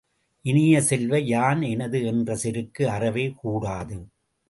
இனிய செல்வ, யான் எனது என்ற செருக்கு அறவே கூடாது!